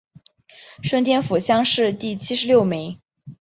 顺天府乡试第七十六名。